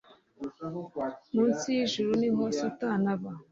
munsi y'ijuru niho satani aba